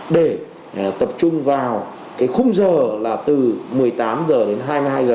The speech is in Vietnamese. để tập trung vào cái khung giờ là từ một mươi tám h đến hai mươi hai h